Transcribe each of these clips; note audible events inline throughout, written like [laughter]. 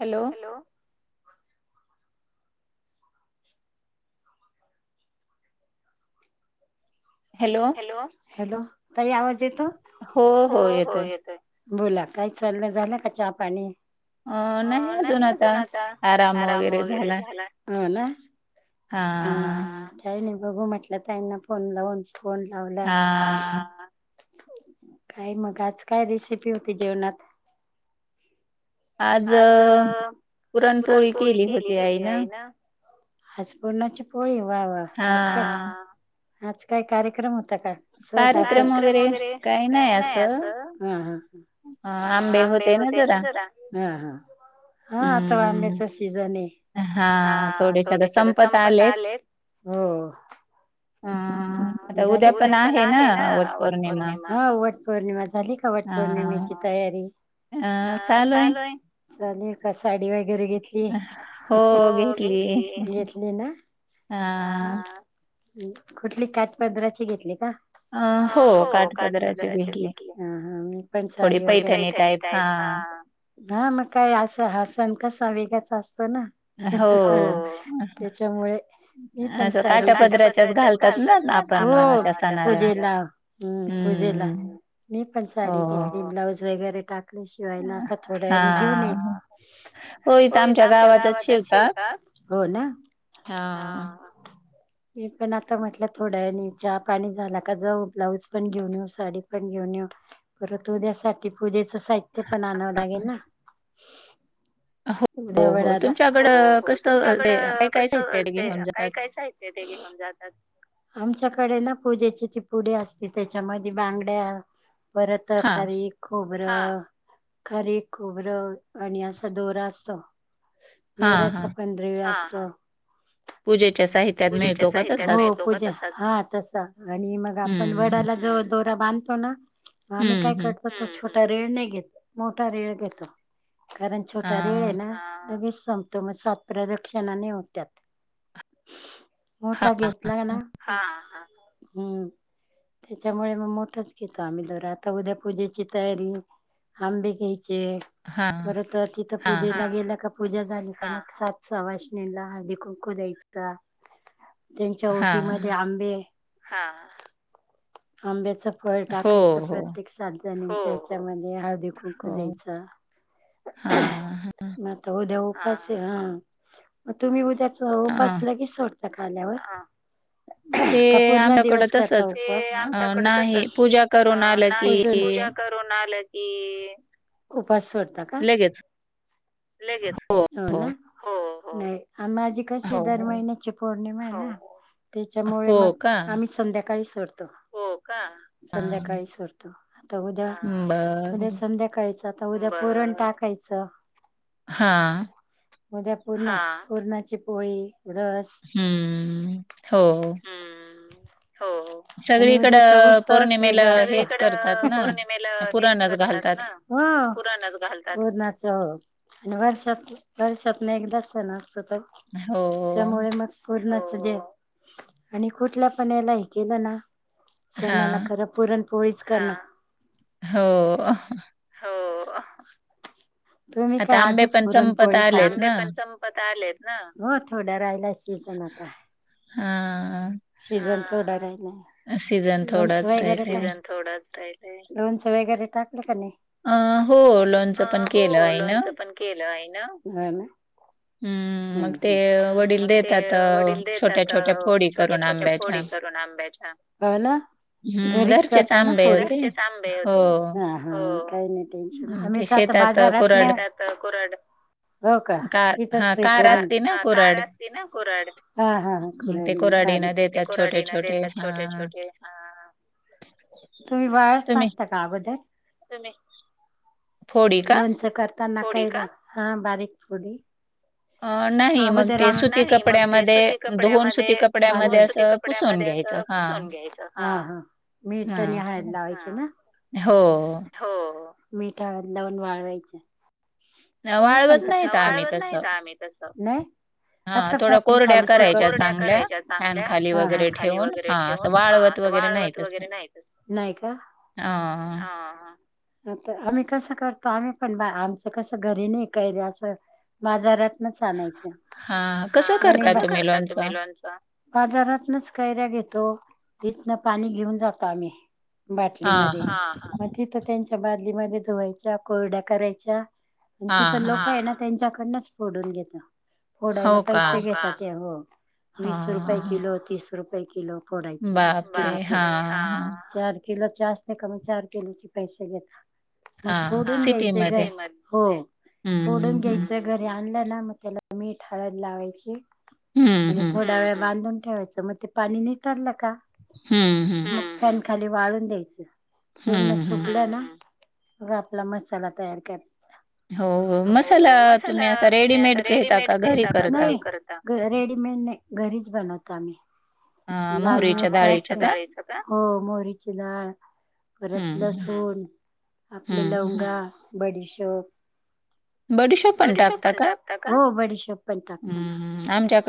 Hello hello hello ताई आवाज येतो? हो हो येतोय. बोला काही चाललं झालं का चहा पाणी अ नाही अजून आता आराम वगैरे झाला. हो ना. हा. काय नाय बघू म्हटलं ताईना फोन लावून फोन लावला काय मग आज काय रेसिपी होती जेवणात. आज पुरणपोळी केली होती आई न आज पूरणाची ची पोळी वा वा आज का आज काय कार्यक्रम होता का? सहज असच कार्यक्रम वगैरे काय नाय अस हं हं आंबे होते ना जरा हा हा हा आता आंब्याचा सीजन ये. हा थोडेशे आता संपत आलेत. हो हा झाली का उदया पण आहे ना वट पौर्णिमा हा वट पौर्णिमा झाली का वट पौर्णिमेची तयारी हा चालू आहे चालू हाय का? साडी वगैरे घेतली हो घेतली घेतली ना. आ हा कुठली काटपदराची घेतली का? अ हो काठपदरचीचं घेतली अहं मी पण साडी थोडी पैठणी टाईप हा हा मग काय असा हा सण कसा वेगाच अस तो ना ही त्याच्यामुळे मी पण साडी घेतली काठापदराची घालतात ना हो पूजेला हम् पूजेला मी पण साडी घेतली ब्लाऊज वगैरे टाक ला शिवायला आता थोड्या वेळाने घेऊन येईन. हो इथ आमच्या गावातच शिवतात हो ना हा पण आता म्हटलं थोड्यावेळानी चहा पाणी झाला का जाऊ ब्लाऊज पण घेऊन येऊ साडी पण घेऊन येऊ. परत उद्यासाठी पूजेच साहित्य पण आणावं लागेल ना. हो. उदया वडाला हो हो तुमच्याकडं कसं से काय काय साहित्य तेच घेऊन जातात. आमच्याकडे ना पूजेची ती पुडी असते त्याच्यामध्ये बांगड्या परत खारिक खोब बरं खारीक खोबरं आणि असा दोरा असतो. दोऱ्याचापण रिळ असतो. पूजे ेा त आणि मग आप वडाला ज [unintelligible] बांधतो ना आम्ही काय करतो तो छोटा रेळ नाही घेत मोठा रेळ घेतो कारण छोटा रेळ आहे ना लगेच सात प्रदक्षिणा होत्यात मोठा घेतला ना हम्म त्याच्यामुळे मग मोठंच घेतो आम्ही जर आता उद्या पूजेची तयारी आंबी घ त तिथं पूजेला गेलं का पूजा झाली सात सवासिणीला हळदी खको द्यायचचा त्यांच्या ओटीमध्ये आंबे आंब्याच फळ टाकायचं प्रत्येक सात जणी त्याच्यामध्ये हळ देूक द्यायच म उ दे्याऊ [unintelligible] त हा मग तुम्ही उद्या उपास लगेच सोडता खाल्यावर क पूर्ण दिवस करता आमच्याकड तसच करुना आलं की उपास सोडता का ेच हो ना माझे क दर महिन्या प त्याच्यामुळे मग आम्ही संध्याकाळी सोडतो संध्याकाळी सोड तो आता उद्या उद्या संध्याकाळी आता उद्या पुरण टाकायचं हा उद्या पूर्णा पूर्णाची पोळी हम्म हो हो आणि उद्याचाौत्सच वेगळा पौर्णिमेला हेच करतात हो पुराणाच घालतरणा आणि वर्डशॉप वर्डशॉपने एकदा सण असतो तर त्याच्यामुळे मग आणि कुठल्या पणालाही केलं ना सणाला खरां पुरणपोळीच कर ना हो हो तुम्ही काय आजच पुरण पोळी खा आ पण संपत आलेत ना हो थवड्या राहियला शि नाता हा सीजन थोडा राहील लोन्स वगैरे सी थोडा राल लोणच वगैरे टाक अ हो लोनच पण केलं आहे ना हम्म मग ते वडील देतात छोट्या छोट्या फोळी छोटे छोटे फोडी करून आंबेच्या... हा ना... घरीच करताना फोड्या. घराचेच आंबे होते. काही नाही टेन्शन. आम्हीच आता बाजारात. शेतात कुराड- हो का. इथच [unintelligible] कार असती ना कुराड. हा.. हा.. कुराडी नं. बारीक ते. कुराडीना देतात छोटे छोटे... हा.. तुम्ही बाळच टाकता का? [unintelligible] लोणचं करताना. फोडी का. हा बारीक फोडी. नाही मग ते सुती कपड्यामध्येती कपड्यामध्ये [unintelligible] पुसून घ्यायच. हा मीठ आणि हळद लावायच ना. हो. मीठ हळद लावून वाळवायच. का पण.. तस वाळवत नाहीत आम्ही तस. नाही- कोरड्या करायच्या चांगल्या खाली वगैरे ठेवून. वाळवत वगैरे नाही तसं. नाही का. हा. आता आम्ही कसं करतो. आम्ही पण बा-आमचं कसं घरी नाही कैरी असं. बाजारात- चं आणायचं. हा. कस करता तुम्ही लोणच? बाजारातूनं कैऱ्या घेतो. तिथन पाणी घेऊन जातो आम्ही बाटलीमध्ये. मग तिथं त्यांच्या बा धुवायचा कोरड्या करायचा, तिथ लोक आहे ना त्यांच्या -कडूनच फोडून घेतो. फोडायला पैसे घेतातात. हो वीस रुपये किलो, तीस रुपये किलो. फोडायची. बापरे! किलो जास्त कमी चार किलो पैसे घेता मग फोडून घ्यायचे. हो फोडून घ्यायचं. घरी आणलं ना, मग त्याला मीठ हळद लावायची. आणि थोडा वेळ बांधून ठेवायचं. मग ते पाणी नितळ का. हम्म. हम्म. खाली वाळून द्यायचं. पूर्ण सुकल्या ना.. मग आपला मसाला तयार करायचा. ह [inaudible] हो. मसाला तुम्ही अस रेडीमेड घेता का घरी? नाही रेडिमेट घरी घरीच बनवतो आम्ही. लाल मिरचा. हो मोहरी ची डाळ. परत लसूण. आपले लवंगा, बडिशेप. बडीशेप पन टाकता का? हॊ बडीशेप..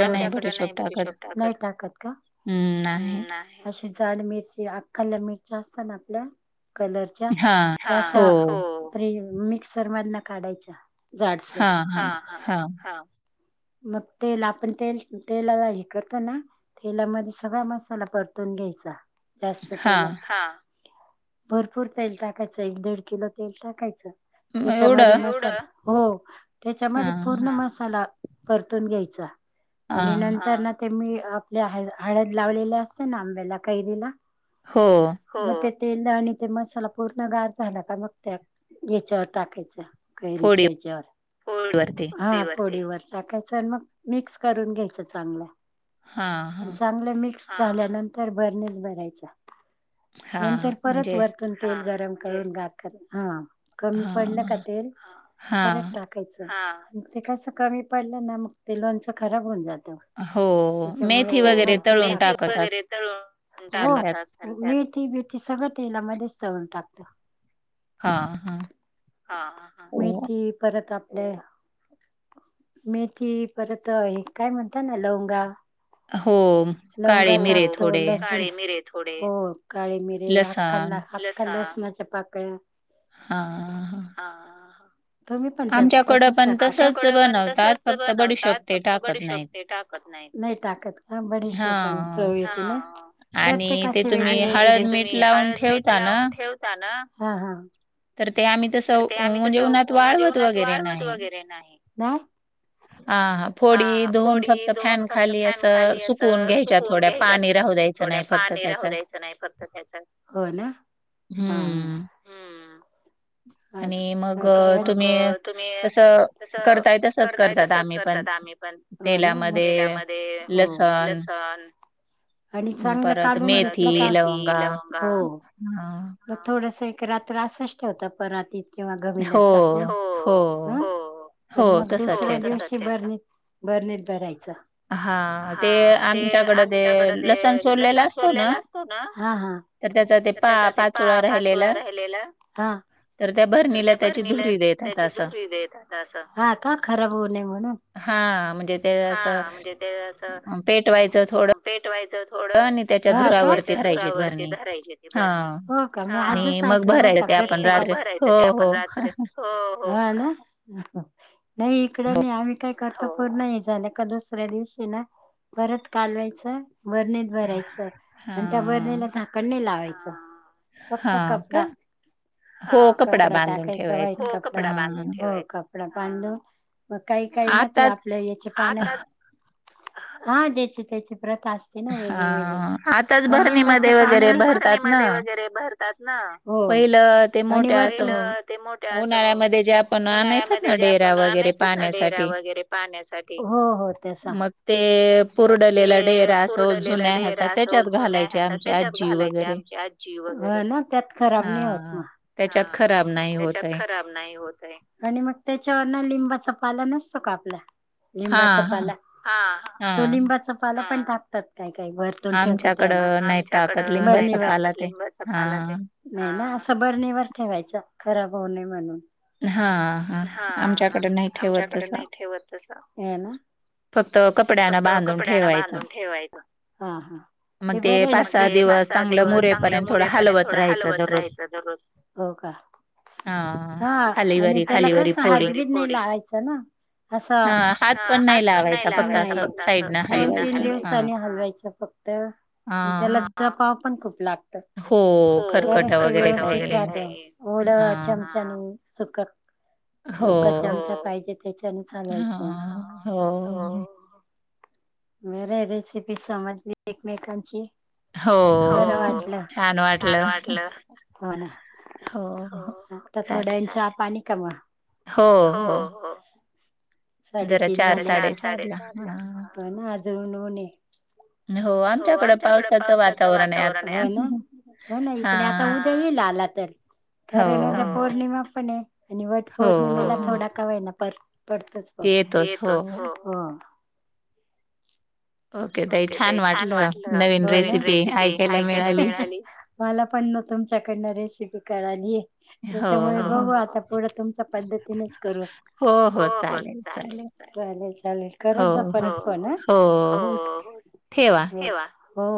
आमच्याकड नाही बडशेप नाही टाकत का? अशी जाड मिरची अखड मिरची असतना. कलर चा. मिक्सर मधून काढायचा जाडसर हा. हा. हा. मग तेल आपण तेल तेला हे करतो ना तेलामध्ये सगळा मसाला परतू घ्यायचा जास्त तेलात. भरपूर तेल टाकायचं. एक दीड किलो तेल टाकायचं. त्याच्यामध्ये मसाला हो त्याच्यामध्ये पूर्ण मसाला परतून घ्यायचा आणि नंतर ना. ते मी आपल्या हळद लावलेले असते ना आंब्याला कैरीला. हो. तेल आणि ते मसाला पूर्ण गार झाला का.. मग ह्याच्यावर टाकायचा. कैरीचा ह्याचा वर फोडी वर. टाकायचं आणि मग मिक्स करून घ्यायचं चांगलं. चांगलं मिक्स झाल्यानंतर भरणीत भरायचा. नंतर परत वरतून तेल गरम करून घालतात. कमी पडल्या का तेल परत टाकायचं. ते कसं कमी पडलं ना मग ते लोणचं खराब होऊन जात. हो. त्यामुळे भरपूरथ वगैरे तून ते बेती सगळं तेला मध्येच चळून टाकतं. मेथी परत मेथी परत काय म्हणता ना लवंगा लवंगा टाकतो काळे मिरे थोडे हो काळे मिरे आखा लसणाच्या पाकळ्या हा हा. तुम्ही पण त्या तसच करता आमच्याकडे पण तसच बनवतात फक्त बडशोप ते टाकत नाही. नाही टाकत का बडीशोप पण चव ये त ना. प्रत्येकाची आणि ते तुम्ही हळद मीठ लावून ठेवता ना. तर ते आम्ही तसं जे उन्हात वाळवत वगैरे नाही. हा हा फोडी धुून फक्त फॅन खाली असं सुकवून घ्यायच्या थोड्या पाणी राह थोड्या पाणी राहू द्यायचं नाही फक्त त्याच्यात हो ना हम्म आणि मग तुम्ही तस करताय तसच करतात आम्ही पण म्ही पण तेल्यामध्ये लसण आणि चांगलं कालून घेतलं का हो म थोडस रात्र असष्ट ठेवता परातीत किंवा घमिल्यात झाकून आणि मग दुसऱ्या दिवशी बरणी बरणीत भराय हा ते आमच्याकडे ते लसण सोललेला असतो ना तर त्याचा ते पा पाचोळा राहिलेला हा तर त्या बरणील्यात त्याची दुरी देत आता असं ह का खराब होऊ नये म्हणून. हा म्हणजे ते असं पेटवायचं थोडं त्याच्या धुरावरती धरायची भरणी हा आणि मग भराय ते आपण राज र नाही इकड आमही काय त पूर्ण ये जाण का दुसऱ्या दिवशी ना परत कालवायचं बरनेत भरायचं आणि त्या बरनेला झाकण नाही लावायचं. फक्त कपडा हा कपडा टाकायचं व्हाइट कपडा बांधून ठेय कपडा बांधून मग काही काही ना ते आपल्या याचे पानं हा देच देच व्रत असते ना वेगळे वेगळे लिंबाच पा भरणी वगैरे भर ना हो आणि वरतून ते मोठ्या असं उन्हाळ्यामध्ये जे आपण आणायच ना डेरावर घरी पाण्यासाठी हो हो ते सा मग ते कोरडलेला डेरा जुन्या ह्या त्याच्यात घालायचे आमची आजी वगैरे त्यात खराब नाही होत म त्याच्यात खराब त्याच्यात खराब नाही होत आणि मग त्याच्यावरन लिंबाच पाला नसतो आपला लिंबाचा पाला तो लिंबाचा पाला पण टाकतात. का का वरतून ठेवतात आमच्याकड बरणीवर नाही टाकत लिंबाचा पाला ते नाही ना असं बर निवर ठेवायचा खराब होऊ नये म्हणून हा हा आमच्याकडे नाही ठेवत तस फक्त कपड्यांना बांधून ठेवायचं ते बर पा सहा दिवस चांगलं मुरेपर्यंत थोड हलवत राहायचं दररोज हो का हा हा आणि त्याला का हायब्रीज नाही लावायचं ना असा, हात पण नाही लावायचा,, फक्त दोन, तीन दिवसनी हलवायच फक्त. प,, त्याला जपाव पण खूप लागतं. व्यवस्थित ओड चमचा नंऽऽ सुक्या. सुका चमचा पाहिजे त्याच्यान चालवायच. मग रे रेसिपी समजली एकमेकांचीऽऽ हो, बरं वाटलं, छान वाटलं, हो ना... हो,,, आता थोड्यां च्या पाणी का मऽ हो, हो, साडेतीन, चार, साडेचार ला. हो, आमच्याकडे पावसाच वातावरण आय आज. हो, ना इकडे आता उद्या येईल आला तऽऽ कारण उद्या पौर्णिमा पण आय आणि वट पौर्णिमेला थोडा का होईना, पडऽऽ पडतोच बघ,, येतोच,, हो,, हो ओके ताई छान वाटलं, नविन रेसिपी ऐकायला मिळाली मला पण तुमच्याकडन रेसिपी कळाली. त्याच्यामुळे बघू आता पुढं तुमच्या पद्धतीनेच करू. हो हो चालेल चालेल चालेल करत जा परत फोन हं हो ठेवा हो